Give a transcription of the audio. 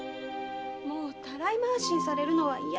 もうたらい回しにされるのはいや。